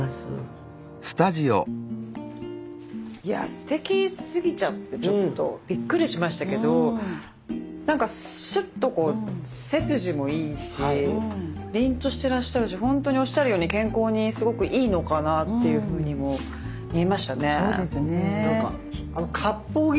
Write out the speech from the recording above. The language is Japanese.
いやすてきすぎちゃってちょっとびっくりしましたけど何かシュッとこう背筋もいいし凛としてらっしゃるし本当におっしゃるように健康にすごくいいのかなっていうふうにも見えましたね。